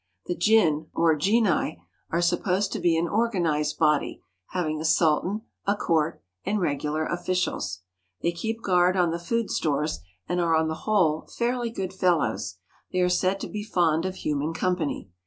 The jinn, or genii, are supposed to be an organized body, having a sultan, a court, and regular officials. They keep guard on the food stores and are on the whole fairly good fellows. They are said to be fond of human company.